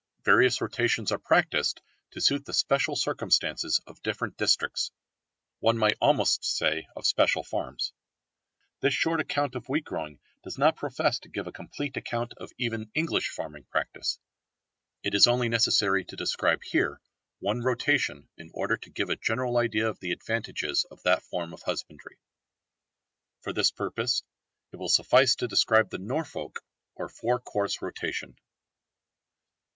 Various rotations are practised to suit the special circumstances of different districts, one might almost say of special farms. This short account of wheat growing does not profess to give a complete account of even English farming practice. It is only necessary to describe here one rotation in order to give a general idea of the advantages of that form of husbandry. For this purpose it will suffice to describe the Norfolk or four course rotation.